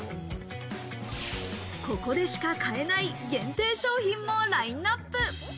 ここでしか買えない限定商品もラインナップ。